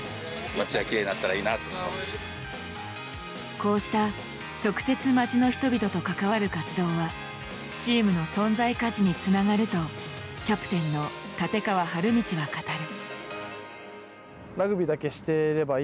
こうした直接町の人々と関わる活動はチームの存在価値につながるとキャプテンの立川理道は語る。